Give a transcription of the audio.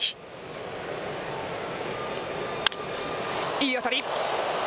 いい当たり。